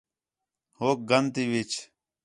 ہُوک گند تی وِچ